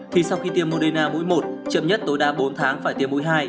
thì sau khi tiêm moderna mũi một chậm nhất tối đa bốn tháng phải tiêm mũi hai